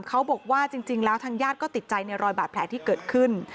เขาบอกว่าจริงแล้วทางญาติก็ติดใจในรอยบาดแผลที่เกิดขึ้น